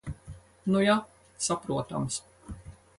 Nu ja. Saprotams.